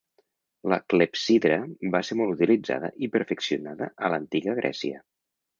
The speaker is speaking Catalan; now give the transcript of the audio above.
La clepsidra va ser molt utilitzada i perfeccionada a l'Antiga Grècia.